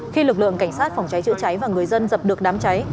khi lực lượng cảnh sát phòng cháy chữa cháy và người dân dập được đám cháy